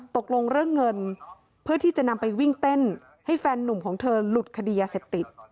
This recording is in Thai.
ตกลงเรื่องเงินเพื่อที่จะนำไปวิ่งเต้นให้แฟนนุ่มของเธอหลุดคดียาเสพติด